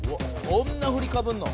こんなふりかぶんの？